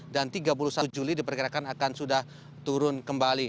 dan tiga puluh satu juli diperkirakan akan sudah turun kembali